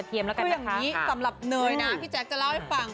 สำหรับเนยพี่แจ๊กจะเล่าให้ฟัง